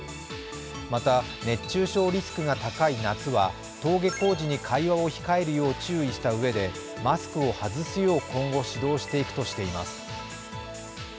また、熱中症リスクが高い夏は、登下校時に会話を控えるよう注意をしたうえでマスクを外すよう今後、指導していくとしています。